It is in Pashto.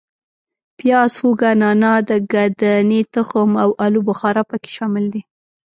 پیاز، هوګه، نانا، د ګدنې تخم او آلو بخارا په کې شامل دي.